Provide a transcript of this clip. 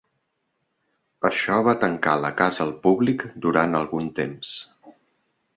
Això va tancar la casa al públic durant algun temps.